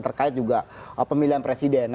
terkait juga pemilihan presiden